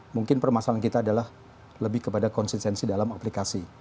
mungkin permasalahan kita adalah lebih kepada konsistensi dalam aplikasi